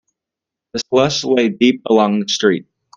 The slush lay deep along the street.